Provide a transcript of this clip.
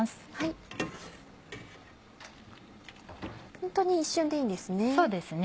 ホントに一瞬でいいんですね。